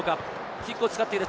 キックを使っている。